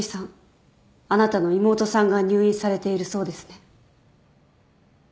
あなたの妹さんが入院されているそうですね。